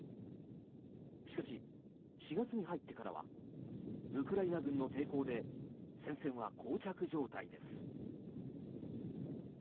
しかし、４月に入ってからはウクライナ軍の抵抗で戦線はこう着状態です。